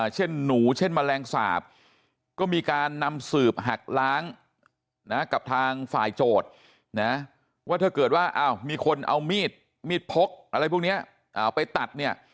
เช่นหนูเช่นแมลงสาปก็มีการนำสืบหักล้างนะกับทางฝ่ายโจทย์นะว่าถ้าเกิดว่ามีคนเอามีดมีดพกอะไรพวกนี้ไปตัดเนี่ย